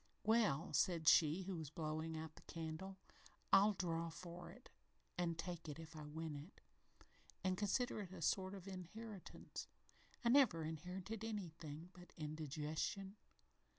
"Well," said she who was blowing out the candle, "I'll draw for it an' take it if I win it, an' consider it a sort of inheritance. I never inherited anything but indigestion."